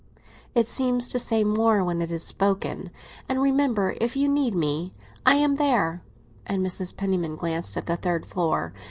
"It seems to say more when it is spoken! And remember, if you need me, that I am there"; and Mrs. Penniman glanced at the third floor.